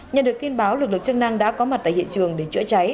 nhận được tin báo lực lượng chức năng đã có mặt tại hiện trường để chữa cháy